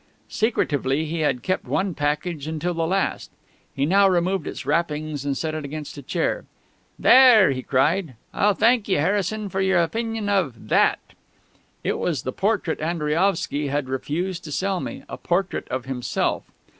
Secretively he had kept one package until the last. He now removed its wrappings and set it against a chair. "There!" he cried. "I'll thank ye, Harrison, for your opinion of that!" It was the portrait Andriaovsky had refused to sell me a portrait of himself.